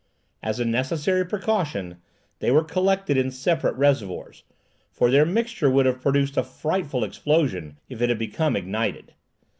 As a necessary precaution, they were collected in separate reservoirs, for their mixture would have produced a frightful explosion if it had become ignited.